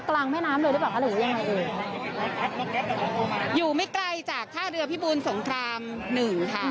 กลางแม่น้ำเลยหรือเปล่าคะหรือยังไงอยู่ไม่ไกลจากท่าเรือพิบูลสงครามหนึ่งค่ะ